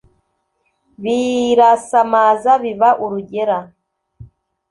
Birasamaza biba urugera!